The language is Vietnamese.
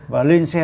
và lên xe